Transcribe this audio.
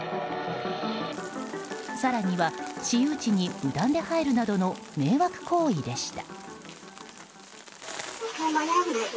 更には、私有地に無断で入るなどの迷惑行為でした。